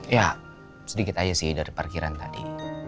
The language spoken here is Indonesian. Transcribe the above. ya sedikit aja sih dari parkiran tadi